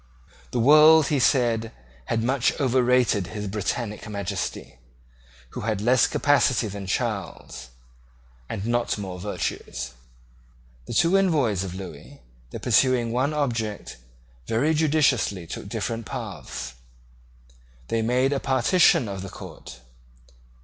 The world, he said, had much overrated His Britannic Majesty, who had less capacity than Charles, and not more virtues. The two envoys of Lewis, though pursuing one object, very judiciously took different paths. They made a partition of the court.